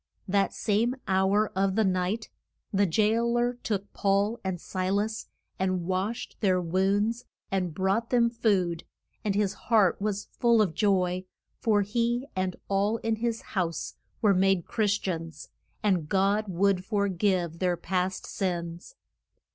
That same hour of the night the jail er took Paul and Si las and washed their wounds, and brought them food, and his heart was full of joy, for he and all in his house were made Chris tians, and God would for give their past sins.